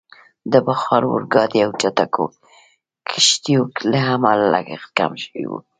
د بخار اورګاډي او چټکو کښتیو له امله لګښت کم شوی وو.